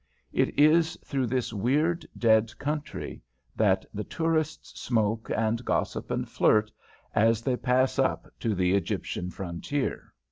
It is through this weird, dead country that the tourists smoke and gossip and flirt as they pass up to the Egyptian frontier.